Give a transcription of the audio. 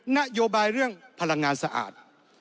นโยบายเรื่องพลังงานสะอาด